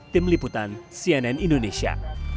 tim liputan cnn indonesia